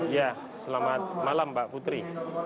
ya selamat malam mbak putri